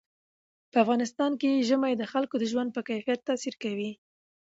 په افغانستان کې ژمی د خلکو د ژوند په کیفیت تاثیر کوي.